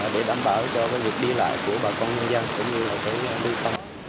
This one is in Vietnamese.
để đảm bảo cho việc đi lại của bà con nhân dân cũng như lưu phong